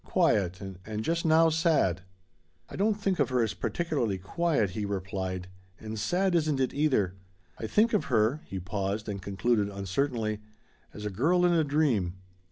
Quiet and just now, sad." "I don't think of her as particularly quiet," he replied; "and sad isn't it, either. I think of her" he paused and concluded uncertainly "as a girl in a dream."